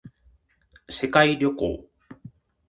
世界旅行